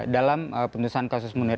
dalam penutusan kasus munir